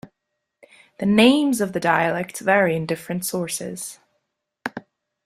The names of the dialects vary in different sources.